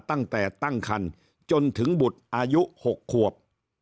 ตั้งแต่ตั้งคันจนถึงบุตรอายุ๖ขวบ